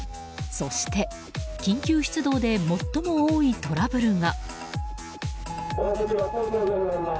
そして、緊急出動で最も多いトラブルが。